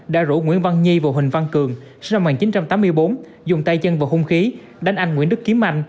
đã rủ nguyễn văn nhi và huỳnh văn cường sinh năm một nghìn chín trăm tám mươi bốn dùng tay chân vào hung khí đánh anh nguyễn đức kiếm mạnh